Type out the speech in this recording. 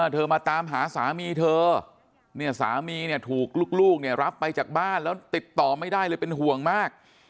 เธอมาตามหาสามีเธอเนี่ยสามีเนี่ยถูกลูกเนี่ยรับไปจากบ้านแล้วติดต่อไม่ได้เลยเป็นห่วงมาก